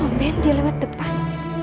kau tuh ngomongin dia lewat depan